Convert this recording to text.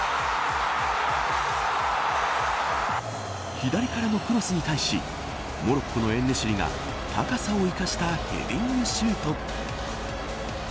左からのクロスに対しモロッコのエンネシリが高さを生かしたヘディングシュート。